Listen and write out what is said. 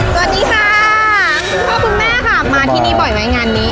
สวัสดีค่ะคุณพ่อคุณแม่ค่ะมาที่นี่บ่อยไหมงานนี้